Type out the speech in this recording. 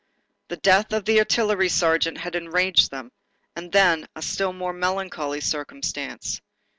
The death of the artillery sergeant had enraged them, and then, a still more melancholy circumstance.